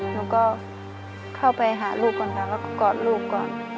หนูก็ข้าวไปหาลูกก่อนก็กอดลูกก่อน